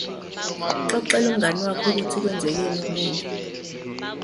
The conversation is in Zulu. Xoxela umngani wakho ukuthi kwenzekeni kuBongi.